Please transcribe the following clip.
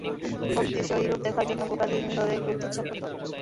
প্রকৃতির সেই রূপ দেখার জন্য গোটা দিন ধরেই ঘুরতে ইচ্ছে হতো।